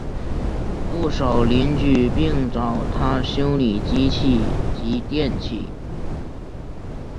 不少邻居并找他修理机械及电器。